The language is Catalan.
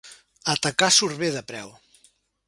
Atacar surt bé de preu.